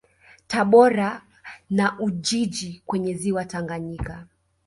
Tabora na Ujiji kwenye Ziwa Tanganyika